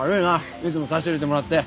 いつも差し入れてもらって。